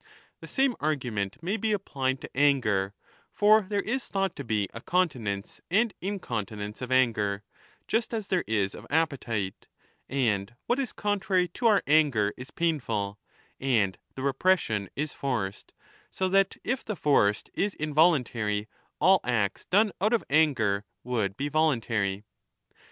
The same argument may be applied to anger ; for there is thought to be a continence and incontinence of anger just as there is of appetite ; and what is contrary to our anger 20 is painful, and the repression is forced, so that if the forced is involuntary, all acts done out of anger would be voluntary.